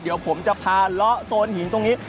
เดี๋ยวผมจะพาเลาะโซนหินตรงนี้